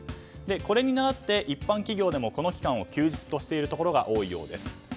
これに倣って、一般企業でもこの期間を休日としているところが多いようです。